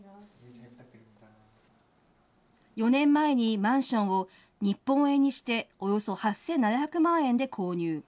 ４年前にマンションを日本円にしておよそ８７００万円で購入。